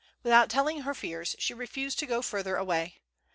Without telling her fears, she refused to go further away.